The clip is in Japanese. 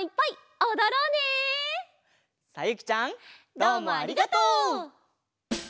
どうもありがとう！